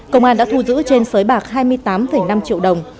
công an đã thu giữ trên sới bạc hai mươi tám năm triệu đồng